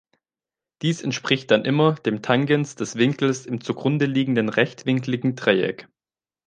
Dies entspricht dann immer dem Tangens des Winkels im zugrundeliegenden rechtwinkligen Dreieck.